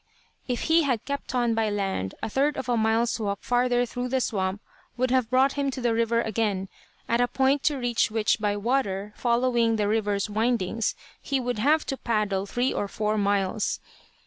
If he had kept on by land, a third of a mile's walk farther through the swamp would have brought him to the river again, at a point to reach which by water, following the river's windings, he would have to paddle three or four miles.